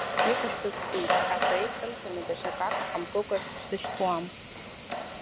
Иҟашәҵаз збеит, аха сара исымҭаны даҽа акака ҳамкыкәа шәсышьҭуам.